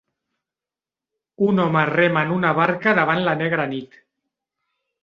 Un home rema en una barca davant la negra nit.